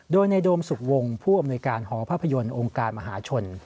โดยในโดมสุขวงผู้อำนวยการหอภาพยนตร์องค์การมหาชน